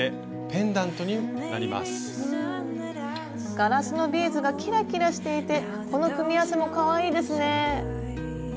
ガラスのビーズがキラキラしていてこの組み合わせもかわいいですね！